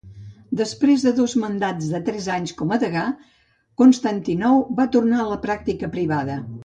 Després de dos mandats de tres anys com a degà, Constantinou va tornar a la pràctica privada.